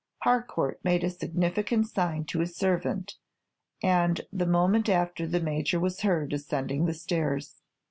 Harcourt made a significant sign to his servant, and the moment after the Major was heard ascending the stairs.